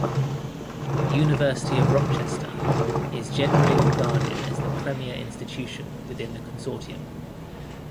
University of Rochester is generally regarded as the premier institution within the consortium.